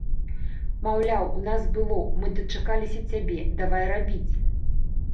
Маўляў, у нас было, мы дачакаліся цябе, давай рабіць.